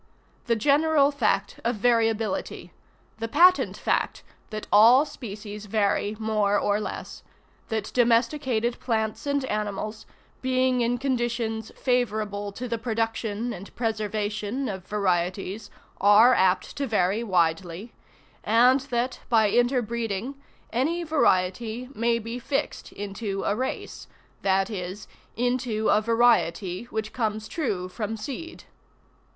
The general fact of variability; the patent fact, that all species vary more or less; that domesticated plants and animals, being in conditions favorable to the production and preservation of varieties, are apt to vary widely; and that by interbreeding, any variety may be fixed into a race, that is, into a variety which comes true from seed.